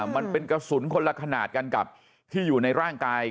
มันเป็นกระสุนคนละขนาดกันกับที่อยู่ในร่างกาย